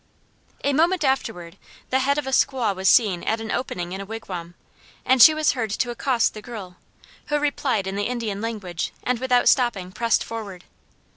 A moment afterwards the head of a squaw was seen at an opening in a wigwam, and she was heard to accost the girl, who replied in the Indian language, and without stopping pressed forward.